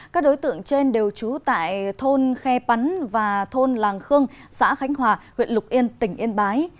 các đối tượng trên đều trú tại thôn khe pắn và thôn làng khương xã khánh hòa huyện lục yên tỉnh yên bái